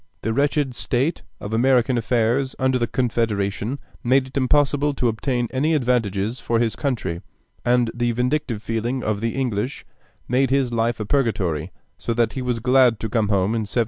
The wretched state of American affairs under the Confederation made it impossible to obtain any advantages for his country, and the vindictive feeling of the English made his life a purgatory, so that he was glad to come home in 1788.